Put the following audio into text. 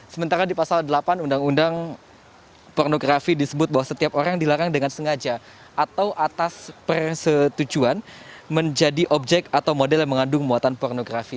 sementara di pasal delapan undang undang pornografi disebut bahwa setiap orang dilarang dengan sengaja atau atas persetujuan menjadi objek atau model yang mengandung muatan pornografi